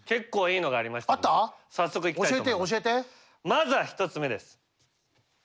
まずは１つ目です。